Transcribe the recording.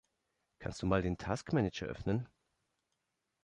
Kannst du mal den Task-Manager öffnen?